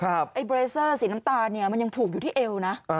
ไอ้เบรเซอร์สีน้ำตาลเนี่ยมันยังผูกอยู่ที่เอวนะ